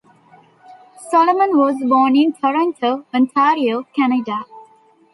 Solomon was born in Toronto, Ontario, Canada.